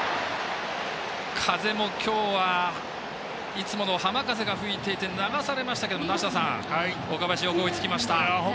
風も今日はいつもの浜風が吹いていて流されましたが、梨田さん岡林、よく追いつきました。